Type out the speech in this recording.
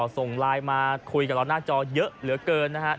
ส่งไลน์มาคุยกับเราหน้าจอเยอะเหลือเกินนะครับ